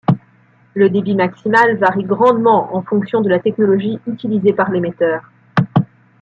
Le débit maximal varie grandement en fonction de la technologie utilisée par l’émetteur.